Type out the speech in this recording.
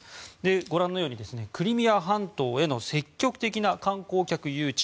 ご覧のようにクリミア半島への積極的な観光客誘致